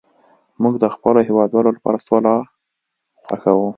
موږ د خپلو هیوادوالو لپاره سوله خوښوو